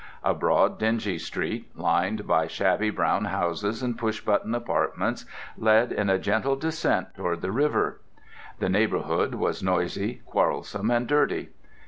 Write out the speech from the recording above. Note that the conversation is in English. A broad, dingy street, lined by shabby brown houses and pushbutton apartments, led in a gentle descent toward the river. The neighbourhood was noisy, quarrelsome, and dirty.